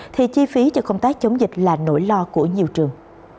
thì chi phí cho công tác chống dịch là nỗi lo của nhiều trường